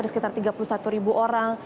ada sekitar tiga puluh satu ribu orang